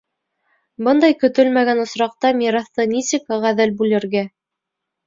Бындай көтөлмәгән осраҡта мираҫты нисек ғәҙел бүлергә?